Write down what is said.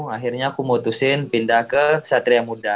akhirnya aku putusin pindah ke satria muda